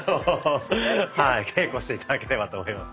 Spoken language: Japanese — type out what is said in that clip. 稽古して頂ければと思います。